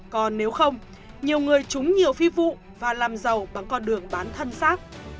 còn nếu không nhiều người trúng nhiều phi vụ và làm giàu bằng con đường bán thân xác